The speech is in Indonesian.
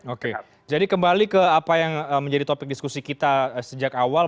oke jadi kembali ke apa yang menjadi topik diskusi kita sejak awal